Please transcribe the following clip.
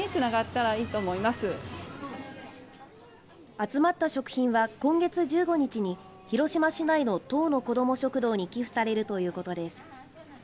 集まった食品は今月１５日に広島市内の１０の子ども食堂に寄付されるということです。